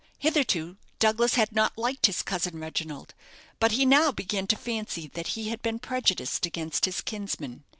Hitherto Douglas had not liked his cousin, Reginald; but he now began to fancy that he had been prejudiced against his kinsman.